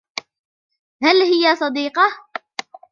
هل هي صديقة ؟